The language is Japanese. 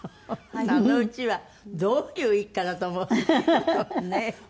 あのうちはどういう一家だとねえ？